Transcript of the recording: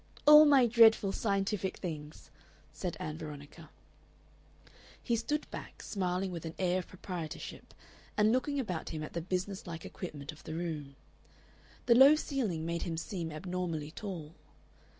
"All my dreadful scientific things," said Ann Veronica. He stood back, smiling with an air of proprietorship, and looking about him at the business like equipment of the room. The low ceiling made him seem abnormally tall.